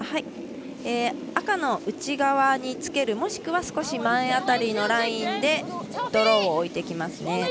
赤の内側につけるもしくは少し前辺りのラインでドローを置いてきますね。